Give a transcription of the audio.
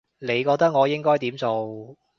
你覺得我應該點做